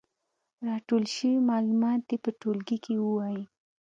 راټول شوي معلومات دې په ټولګي کې ووايي.